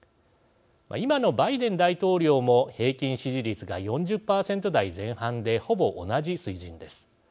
今のバイデン大統領も平均支持率が４０％台前半でほぼ同じ水準です。